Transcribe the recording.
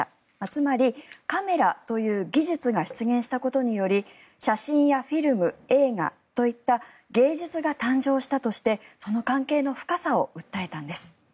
つまり、カメラという技術が出現したことにより写真やフィルム、映画といった芸術が誕生したとしてその関係の深さを訴えたんです。